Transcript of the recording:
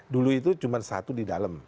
dulu itu cuma satu di dalam